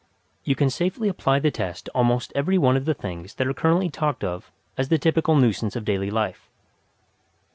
You can safely apply the test to almost every one of the things that are currently talked of as the typical nuisance of daily life.